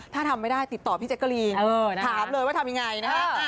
ถ้าทำไม่ได้ติดต่อพี่แจ๊กกะรีนถามเลยว่าทำยังไงนะฮะ